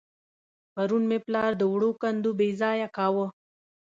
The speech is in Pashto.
پرون مې پلار د وړو کندو بېځايه کاوه.